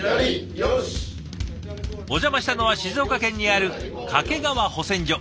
お邪魔したのは静岡県にある掛川保線所。